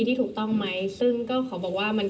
เธออยากให้ชี้แจ่งความจริง